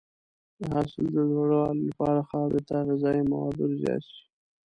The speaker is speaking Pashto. د حاصل د لوړوالي لپاره خاورې ته غذایي مواد ورزیات شي.